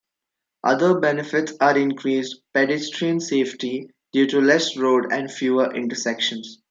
Other benefits are increased pedestrian safety due to less road and fewer intersections.